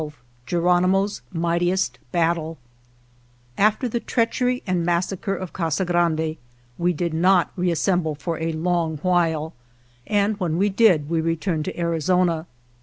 104 CHAPTER XII GERONIMO's MIGHTIEST BATTLE AFTER the treachery and massacre of L Casa Grande we did not reassemble for a long while, and when we did we re turned to Arizona.